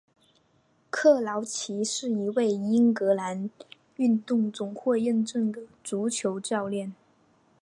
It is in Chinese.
克劳奇是一位英格兰足球总会认证的足球教练。